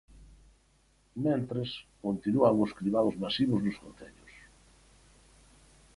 Mentres, continúan os cribados masivos nos concellos.